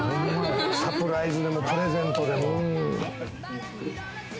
サプライズでもプレゼントでも。